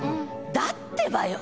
「だってば」よ！